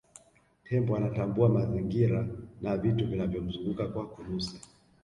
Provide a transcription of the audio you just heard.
tembo anatambua mazingira na vitu vinavyomzunguka kwa kunusa